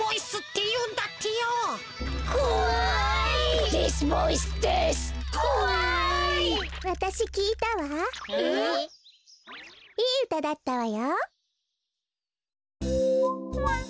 いいうただったわよ。